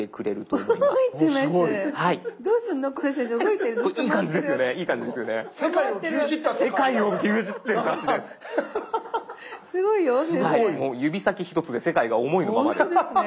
もう指先ひとつで世界が思いのままです。